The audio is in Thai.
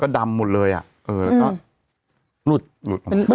ก็ดำหมดเลยอ่ะเออ